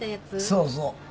そうそう。